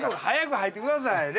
早く入ってください。